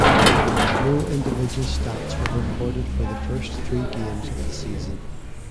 No individual stats were recorded for the first three games of the season.